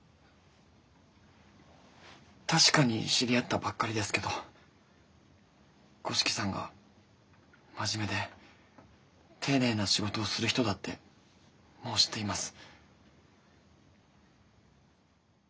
確かに知り合ったばっかりですけど五色さんが真面目で丁寧な仕事をする人だってもう知っています。